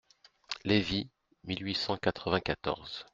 Lévy, mille huit cent quatre-vingt-quatorze.